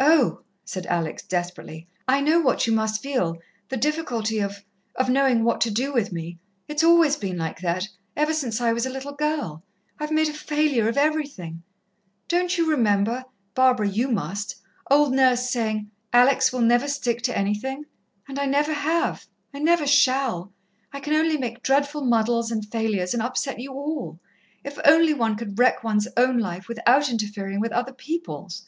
"Oh," said Alex desperately, "I know what you must feel the difficulty of of knowing what to do with me. It's always been like that, ever since I was a little girl. I've made a failure of everything. Don't you remember Barbara, you must old Nurse saying, 'Alex will never stick to anything'? And I never have, I never shall. I can only make dreadful muddles and failures, and upset you all. If only one could wreck one's own life without interfering with other people's!"